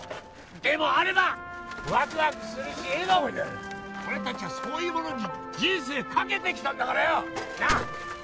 でもあればワクワクするし笑顔になる俺達はそういうものに人生かけてきたんだからよなあ！